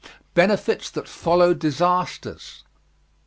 BENEFITS THAT FOLLOW DISASTERS.